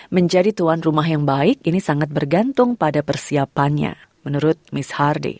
menjadi tuan rumah yang baik ini sangat bergantung pada persiapannya menurut mis hardi